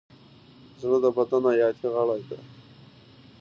زړه د بدن حیاتي غړی دی.